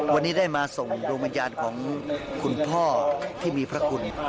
วันนี้ได้มาส่งดวงวิญญาณของคุณพ่อที่มีพระคุณ